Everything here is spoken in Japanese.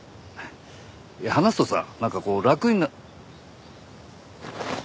いや話すとさなんかこう楽にな。